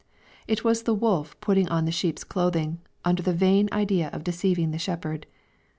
It was the wolf putting on the sheep's clothing, under the vain idea of deceiving the shepherd.